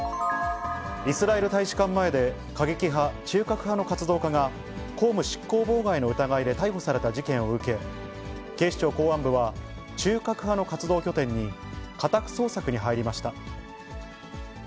イスラエル大使館前で、過激派中核派の活動家が、公務執行妨害の疑いで逮捕された事件を受け、警視庁公安部は、中核派の活動拠点に家宅捜索に入りました。